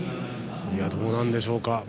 どうなんでしょうか。